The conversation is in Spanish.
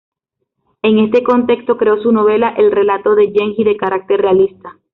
En este contexto creó su novela "El relato de Genji", de carácter realista.